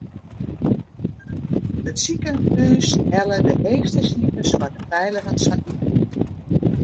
It sikehús helle de heechste sifers foar de feiligens fan iten.